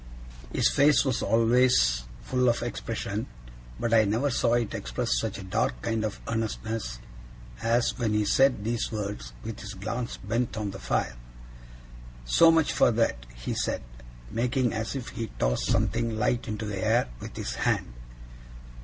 His face was always full of expression, but I never saw it express such a dark kind of earnestness as when he said these words, with his glance bent on the fire. 'So much for that!' he said, making as if he tossed something light into the air, with his hand.